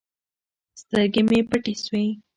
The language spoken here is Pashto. سترګې مې پټې سوې.